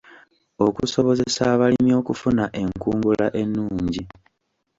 Okusobozesa abalimi okufuna enkungula ennungi.